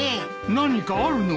何かあるのか？